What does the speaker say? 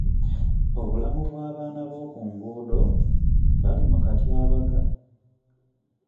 Obulamu bw'abaana bo ku nguudo bali mu katyabaga.